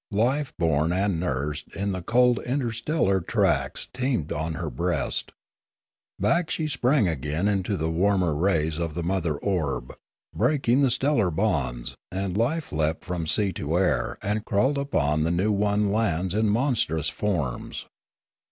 Life born and nursed in the cold interstellar tracts teemed on her breast. Back she sprang again into the warmer rays of the mother orb, breaking the stellar bonds, and life leapt from sea to air and crawled upon the new won lands in mon strous forms.